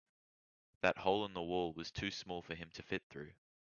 That hole in the wall was too small for him to fit through.